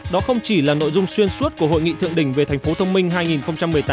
đó không chỉ là nội dung xuyên suốt của hội nghị thượng đỉnh về thành phố thông minh hai nghìn một mươi tám